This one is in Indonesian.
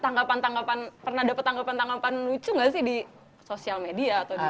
tanggapan tanggapan pernah dapet tanggapan tanggapan lucu gak sih di sosial media